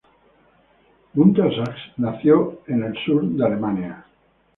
Gunter Sachs nació en la zona sur de Alemania.